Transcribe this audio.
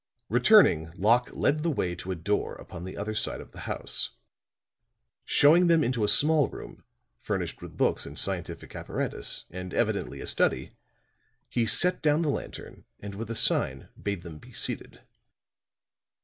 Returning, Locke led the way to a door upon the other side of the house. Showing them into a small room furnished with books and scientific apparatus and evidently a study, he set down the lantern and with a sign bade them be seated.